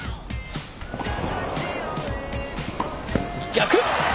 逆！